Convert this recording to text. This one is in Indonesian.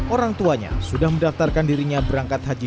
orang tuanya sudah mendaftarkan dirinya berangkat haji